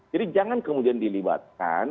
jadi jangan kemudian dilibatkan